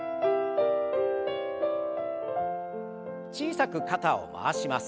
小さく肩を回します。